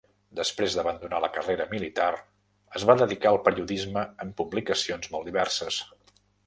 Després d'abandonar la carrera militar, es va dedicar al periodisme en publicacions molt diverses.